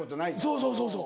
そうそうそうそう。